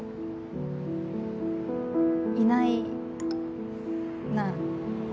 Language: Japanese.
いないなあ。